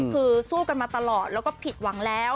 คือสู้กันมาตลอดแล้วก็ผิดหวังแล้ว